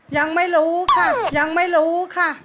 ยังไม่รู้ค่ะ